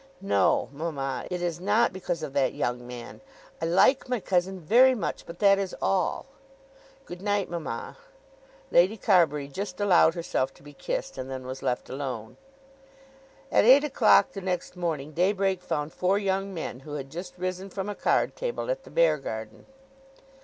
"No, mamma; it is not because of that young man. I like my cousin very much; but that is all. Good night, mamma." Lady Carbury just allowed herself to be kissed, and then was left alone. At eight o'clock the next morning daybreak found four young men who had just risen from a card table at the Beargarden.